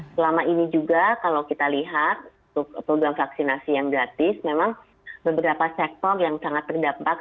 selama ini juga kalau kita lihat untuk program vaksinasi yang gratis memang beberapa sektor yang sangat terdampak